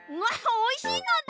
おいしいのだ！